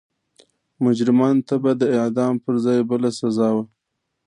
مجرمانو ته به د اعدام پر ځای بله سزا وه.